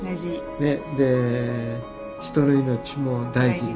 で人の命も大事に。